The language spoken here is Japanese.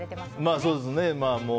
まあ、そうですね。